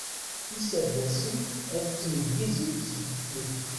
Iserdasen a d-nettneggizen seg teflukt.